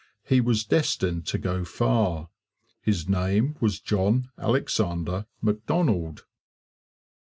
He was destined to go far. His name was John Alexander Macdonald.